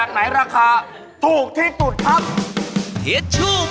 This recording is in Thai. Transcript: ไอ้หน่อยไอ้ชอบ